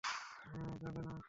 হ্যাঁ, যাবে না।